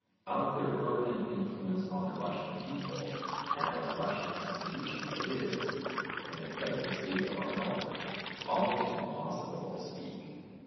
Of their permanent influence on the Russian people and on Russian institutions it is, in the present state of our knowledge, almost impossible to speak.